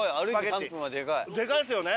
でかいですよね。